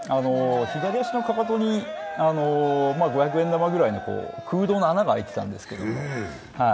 左足のかかとに五百円玉ぐらいの空洞の穴があいてたんですけど。